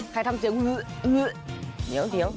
ใครทำเจียง